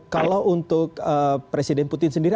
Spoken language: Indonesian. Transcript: kalau untuk presiden putin sendiri